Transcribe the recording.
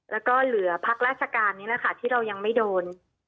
แล้วก็เหลือพักราชการนี้แหละค่ะที่เรายังไม่โดน